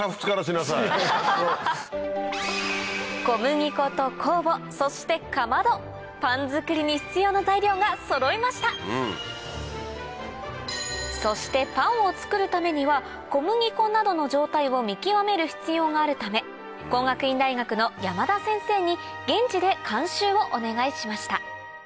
小麦粉と酵母そしてかまどパン作りに必要な材料がそろいましたそしてパンを作るためには小麦粉などの状態を見極める必要があるため工学院大学の山田先生に現地で監修をお願いしました